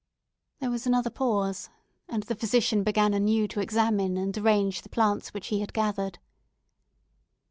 There was another pause, and the physician began anew to examine and arrange the plants which he had gathered.